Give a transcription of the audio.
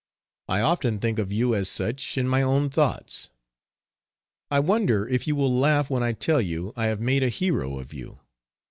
I often think of you as such in my own thoughts. I wonder if you will laugh when I tell you I have made a hero of you?